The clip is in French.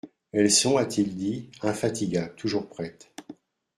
«Elles sont, a-t-il dit, infatigables, toujours prêtes.